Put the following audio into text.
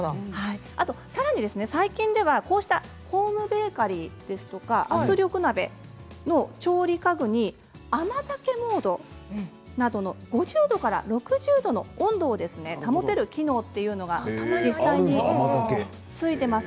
さらに最近ではこうしたホームベーカリーですとか圧力鍋の調理家電に甘酒モードなどの５０度から６０度の温度を保てる機能が付いているものが実際にあります。